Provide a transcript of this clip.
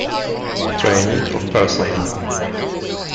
Training of Personnel.